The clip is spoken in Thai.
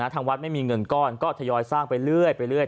ทางวัดไม่มีเงินก้อนก็ทยอยสร้างไปเรื่อย